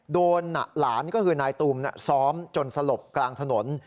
โดนหลานก็คือนายตูมซ้อมจนสลบกลางถนน